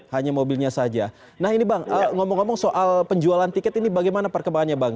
hanya mobilnya saja nah ini bang ngomong ngomong soal penjualan tiket ini bagaimana perkembangannya bang